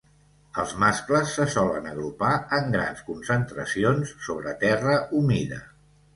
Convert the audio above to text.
Els mascles se solen agrupar en grans concentracions sobre terra humida.